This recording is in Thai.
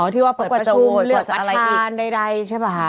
อ๋อที่ว่าเปิดประชุมเลือกประธานใดใช่ป่ะฮะ